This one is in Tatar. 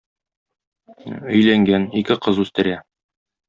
Өйләнгән, ике кыз үстерә.